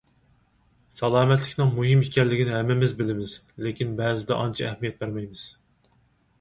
سالامەتلىكنىڭ مۇھىم ئىكەنلىكىنى ھەممىمىز بىلىمىز، لېكىن بەزىدە ئانچە ئەھمىيەت بەرمەيمىز.